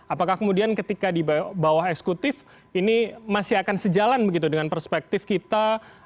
apakah kemudian ketika di bawah eksekutif ini masih akan sejalan begitu dengan perspektif kita